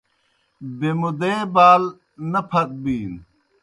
بیمُدَے بال نہ پھت بِینوْ۔